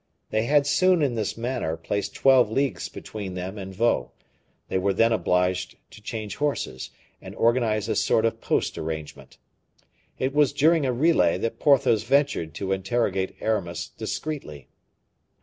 They had soon, in this manner, placed twelve leagues between them and Vaux; they were then obliged to change horses, and organize a sort of post arrangement. It was during a relay that Porthos ventured to interrogate Aramis discreetly.